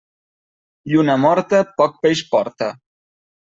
Lluna morta poc peix porta.